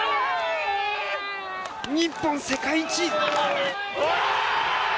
日本、世界一！